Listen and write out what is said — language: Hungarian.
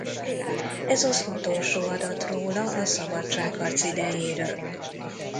Ez az utolsó adat róla a szabadságharc idejéről.